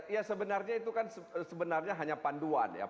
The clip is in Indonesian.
iya sebenarnya itu kan hanya panduan ya